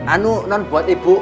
anu nan buat ibu